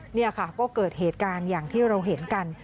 นี่ค่ะก็เกิดเหตุการณ์อย่างที่เราเห็นกัน